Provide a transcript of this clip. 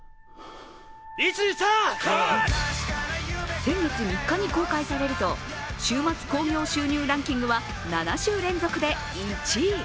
先月３日に公開されると週末興行収入ランキングは７週連続で１位。